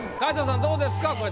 皆藤さんどうですか？